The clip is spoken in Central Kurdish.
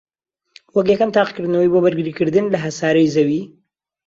وەک یەکەم تاقیکردنەوەی بۆ بەرگریکردن لە هەسارەی زەوی